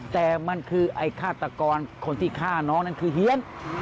แต่มันคือไอ้ฆาตกรคนที่ฆ่าน้องนั้นคือเฮียน